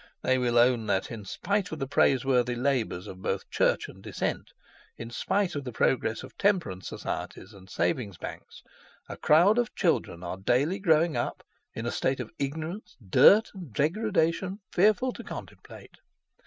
They will own that, in spite of the praiseworthy labours of both Church and Dissent, in spite of the progress of Temperance Societies and Savings' Banks, a crowd of children are daily growing up in a state of ignorance, dirt, and degradation fearful to contemplate.